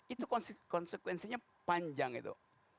itu konsekuensinya panjang itu